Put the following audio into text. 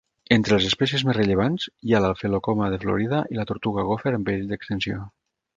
Entre les espècies més rellevants hi ha l'Aphelocoma de Florida i la tortuga gòfer en perill d'extinció.